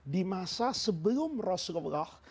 di masa sebelum rasulullah